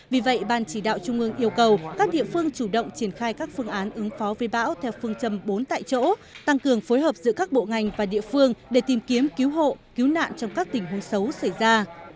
vì vậy ban chỉ đạo trung ương yêu cầu các địa phương chủ động triển khai các phương án ứng phó với bão theo phương châm bốn tại chỗ tăng cường phối hợp giữa các bộ ngành và địa phương để tìm kiếm cứu hộ cứu nạn trong các tình huống xấu xảy ra